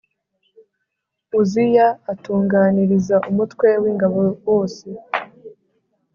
Uziya atunganiriza umutwe w ingabo wose